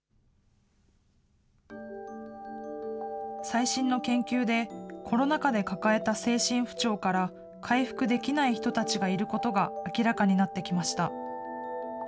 最新の研究で、コロナ禍で抱えた精神不調から回復できない人たちがいることが明らかになってきました。